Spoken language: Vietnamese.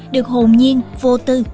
được hồn nhiên vô tư